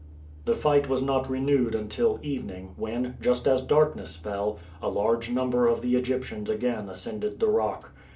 The fight was not renewed until evening, when, just as darkness fell, a large number of the Egyptians again ascended the rock.